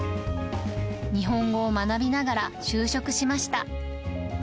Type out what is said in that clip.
日本語を学びながら就職しました。